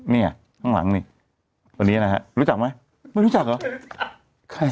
เนี่ยข้างหลังนี่คนนี้นะฮะรู้จักไหมไม่รู้จักเหรอ